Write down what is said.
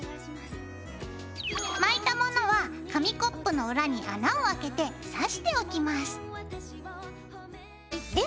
巻いたものは紙コップの裏に穴をあけてさしておきます。